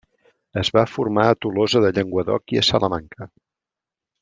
Es va formar a Tolosa de Llenguadoc i a Salamanca.